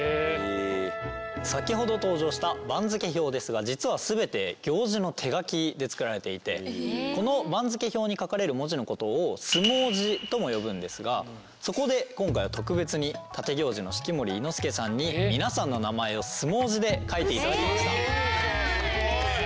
先ほど登場した番付表ですが実は全て行司の手書きで作られていてこの番付表に書かれる文字のことを相撲字とも呼ぶんですがそこで今回は特別に立行司の式守伊之助さんに皆さんの名前を相撲字で書いていただきました。